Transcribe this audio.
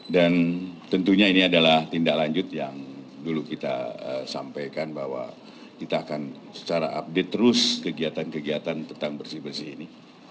dan tentunya ini adalah tindak lanjut yang dulu kita sampaikan bahwa kita akan secara update terus kegiatan kegiatan tentang bersih bersih ini